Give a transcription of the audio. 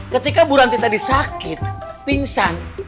ketika bu ranti tadi sakit pingsan